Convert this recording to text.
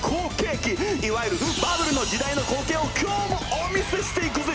いわゆるバブルの時代の光景を今日もお見せしていくぜ！